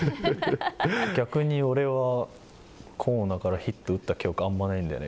逆に俺は、光成からヒットを打った記憶があんまりないんだよね。